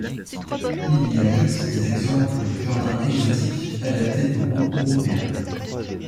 Il y ajoute des exemples de jardins exotiques, adaptés au goût européen.